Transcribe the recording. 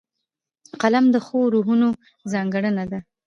قلم د ښو روحونو ځانګړنه ده